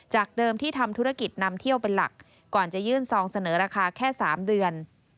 เดิมที่ทำธุรกิจนำเที่ยวเป็นหลักก่อนจะยื่นซองเสนอราคาแค่๓เดือน